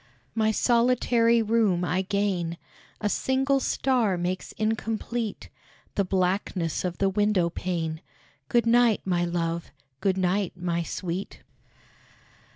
My solitary room I gain. A single star makes incomplete The blackness of the window pane. Good night, my love! good night, my sweet!